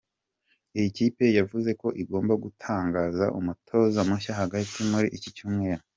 Iyi kipe yavuze ko igomba gutangaza umutoza mushya hagati muri iki cyumweru.